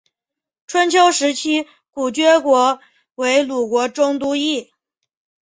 春秋时期古厥国为鲁国中都邑。